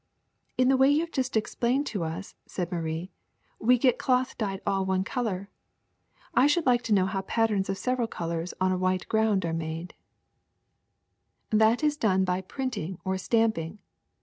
In the way you have just explained to us," said Marie, *^we get cloth dyed all one color. I should like to know how patterns of several colors on a white ground are made." DYEING AND PRINTING 69 *^ That is done by printing or stamping.